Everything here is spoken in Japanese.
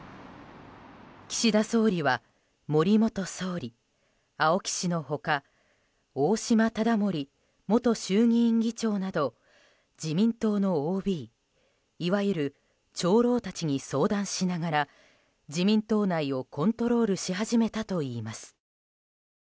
岸田総理は森元総理青木氏の他大島理森元衆議院議長など自民党のＯＢいわゆる長老たちに相談しながら自民党内をコントロールし始めたといいます。